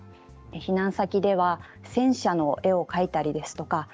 避難先では戦車の絵を描いたり。